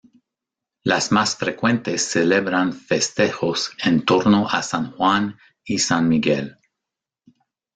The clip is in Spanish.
Las más frecuentes celebran festejos en torno a San Juan y San Miguel.